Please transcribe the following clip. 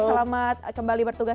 selamat kembali bertugas